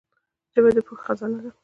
ژبه د پوهي خزانه ده.